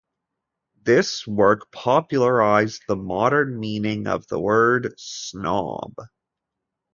This work popularised the modern meaning of the word "snob".